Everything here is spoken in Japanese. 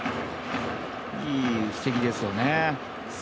いい布石ですよね。